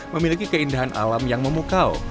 memiliki keindahan alam yang memukau